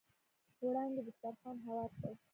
وړانګې دسترخوان هوار کړ.